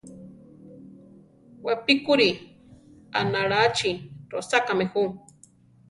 Wapíkuri aʼnaláchi rosákame jú.